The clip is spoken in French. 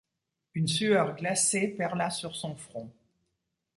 Une sueur glacée perla sur son front.